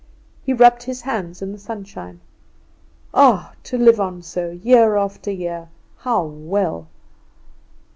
He rubbed his hands in the sunshine. Ah, to live on so, year after year, how well!